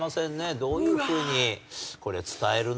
どういうふうにこれ伝えるのか。